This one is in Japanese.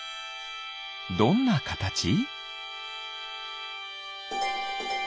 どんなカタチ？